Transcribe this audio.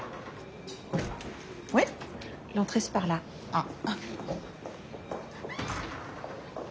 あっ。